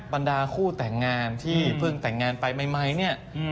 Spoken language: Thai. ปัญดาคู่แต่งงานที่เผินแต่งงานไปไหมนี่